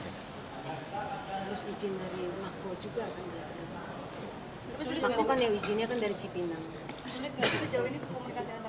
harus izin dari mako juga kan berasal